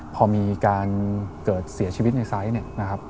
พอมีการเกิดเสียชีวิตในไซส์